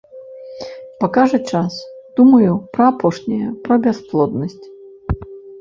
Пакажа час, думаю, пра апошняе, пра бясплоднасць.